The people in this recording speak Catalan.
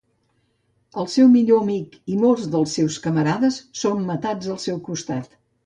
El seu millor amic i molts dels seus camarades són matats al seu costat.